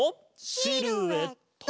シルエット！